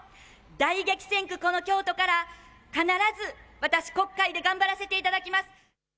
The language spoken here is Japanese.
大激戦区、この京都から必ず私国会で頑張らせていただきます。